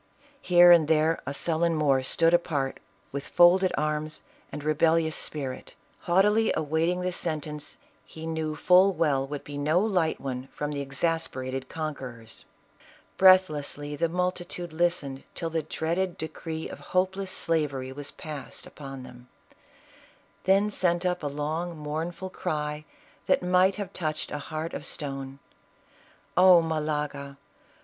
Here and there a sullen Moor stood apart with folded arms arid rebellious spirit, haughtily awaiting the sentence he knew full well would be no light one from the exasper ated conquerors. Breathlessly the multitude listened till the dreaded decree of hopeless slavery was passed upon them ; then sent up a long, mournful cry tl\at might have touched a heart of stone. "Oh Malaga!